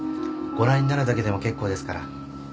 ご覧になるだけでも結構ですから。